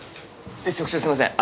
職長すいません